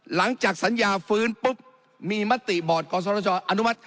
หลังจากสัญญาฟื้นปุ๊บมีมติบอร์ดกศชอนุมัติ